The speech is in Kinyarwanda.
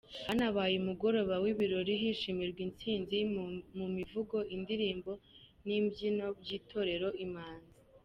Hanabaye umugoroba w’ibirori hishimirwa intsinzi mu mivugo, indirimbo n’imbyino by’Itorero Imanzi.